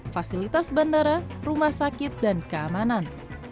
fasilitas bandara rumah sakit dan keamanan